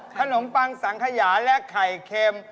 ขนมปังสังขยาและไข่เค็ม